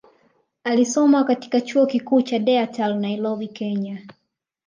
Alisoma katika chuo kikuu cha Dayatar Nairobi Kenya